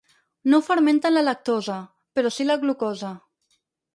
No fermenten la lactosa, però sí la glucosa.